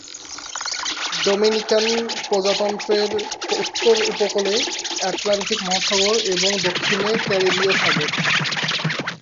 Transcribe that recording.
Dominican প্রজাতন্ত্রের উত্তর উপকূলে আটলান্টিক মহাসাগর এবং দক্ষিণে ক্যারিবীয় সাগর।